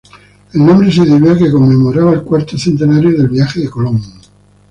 El nombre se debió a que conmemoraba el cuarto centenario del viaje de Colón.